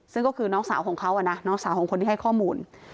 ซึ่งก็คือน้องสาวของเขาน้องสาวของคนที่ให้ข้อมูล